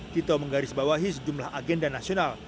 tito menggaris bawahi sejumlah agenda nasional